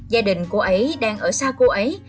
gia đình cô ấy đang ở xa cô ấy